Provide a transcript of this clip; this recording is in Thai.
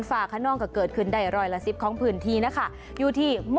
ฮัลโหลฮัลโหลฮัลโหล